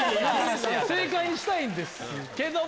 正解にしたいんですけども。